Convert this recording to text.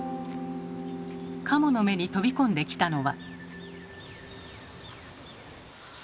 加茂の目に飛び込んできたのは。